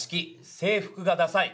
「制服がダサい」。